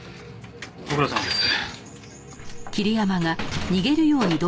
ご苦労さまです。